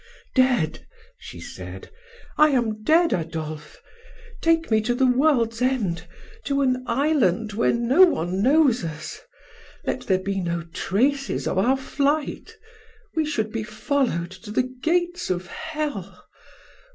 "Dead!" she said, "I am dead, Adolphe! Take me away to the world's end, to an island where no one knows us. Let there be no traces of our flight! We should be followed to the gates of hell.